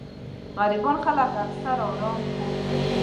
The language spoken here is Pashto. غريبان خلک اکثر ارام خوب لري